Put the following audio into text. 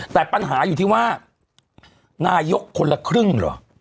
แต่ปัญหาอยู่ที่ว่านายกคนละครึ่งเหรอ